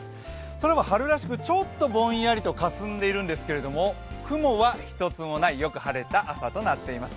空は春らしく、ちょっとぼんやりとかすんでいるんですけども、雲は一つもない、よく晴れた朝となっています。